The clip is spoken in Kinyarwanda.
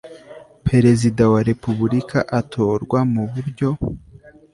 perezida wa repubulika atorwa mu buryo